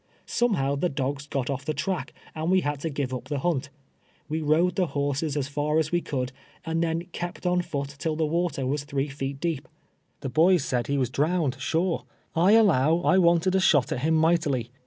Somehow the dogs got off the track, and we liad to give up the liunt. AVc rode the Imrses as far as we could, and then kejit on i'oot till the Avater was three feet dee}». The l)oyssaid lu; was drowned, sure. I allow I Avanted a shot at him mightily.